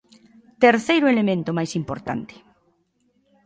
Terceiro elemento máis importante.